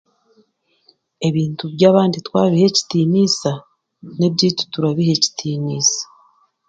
Ebintu by'abandi twabiha ekitiniisa n'ebyeitu turabiha ekitiniisa.